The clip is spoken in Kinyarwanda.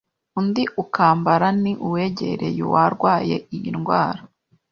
undi ukambara ni uwegereye uwarwaye iyi ndwara